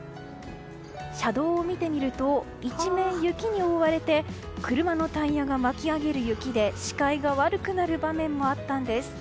車道を見てみると一面雪に覆われて車のタイヤがまき上げる雪で視界が悪くなる場面もあったんです。